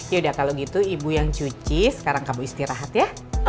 ya udah kalau gitu ibu yang cuci sekarang kamu istirahat ya